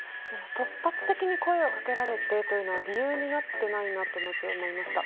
突発的に声をかけられてというのは理由になっていないなと思いました。